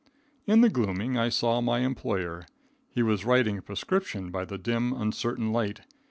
In the gloaming I saw my employer. He was writing a prescription by the dim, uncertain light.